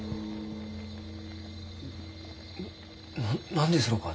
・な何ですろうか？